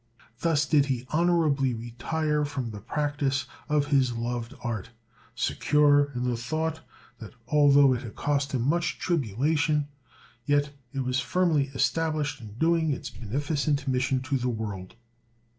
Thus did he honorably retire from the practice of his loved art, secure in the thought that although it had cost him much tribulation, yet it was firmly established in doing its beneficent mission to the world.